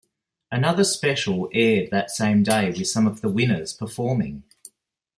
Another special aired that same day with some of the winners performing.